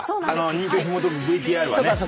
人気をひもとくＶＴＲはね。